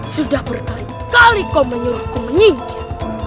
sudah berkali kali kau menyuruhku menyingkir